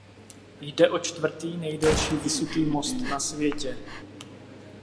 Jde o čtvrtý nejdelší visutý most na světě.